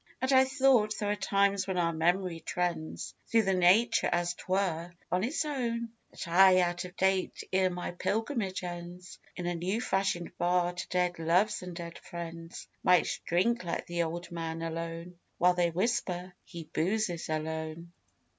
And I thought there are times when our memory trends Through the future, as 'twere, on its own That I, out of date ere my pilgrimage ends, In a new fashioned bar to dead loves and dead friends Might drink like the old man alone: While they whisper, 'He boozes alone.